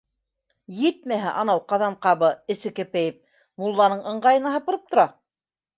Етмәһә, анау Ҡаҙанҡабы, эссе кәпәйеп, мулланы ыңғайына һыпырып тора.